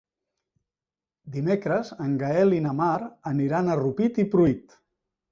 Dimecres en Gaël i na Mar aniran a Rupit i Pruit.